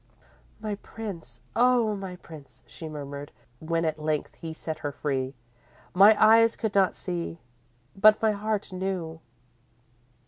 "My Prince, oh my Prince," she murmured, when at length he set her free; "my eyes could not see, but my heart knew!"